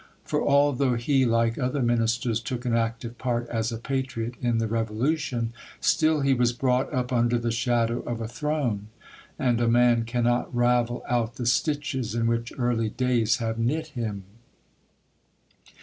For although he, like other ministers, took an active part as a patriot in the Revolution, still he was brought up under the shadow of a throne; and a man cannot ravel out the stitches in which early days have knit him.